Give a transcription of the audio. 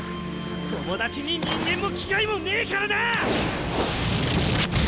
友達に人間も機械もねえからな！